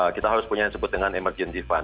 kita harus punya yang disebut dengan emergency fund